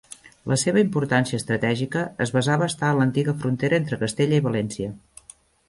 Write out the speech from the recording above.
La seva importància estratègica es basava a estar en l'antiga frontera entre Castella i València.